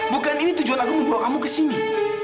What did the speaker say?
bukan ini tujuan aku membawa kamu ke sini